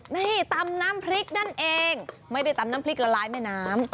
นี่ตำน้ำพริกนั่นเองไม่ได้ตำน้ำพริกละลายแม่น้ำ